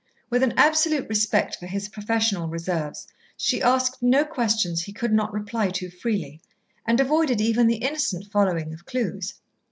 With an absolute respect for his professional reserves, she asked no questions he could not reply to freely, and avoided even the innocent following of clues.